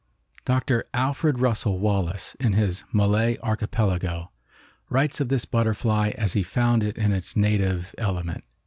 Dr. Alfred Russel Wallace in his "Malay Archipelago" writes of this butterfly as he found it in its native element.